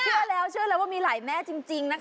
เชื่อแล้วเชื่อเลยว่ามีหลายแม่จริงนะคะ